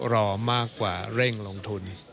รอมากกว่าเร่งลงทุน